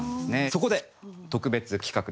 そこで特別企画です。